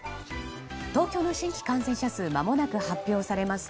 東京の新規感染者数まもなく発表されます。